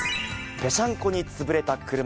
ぺしゃんこに潰れた車。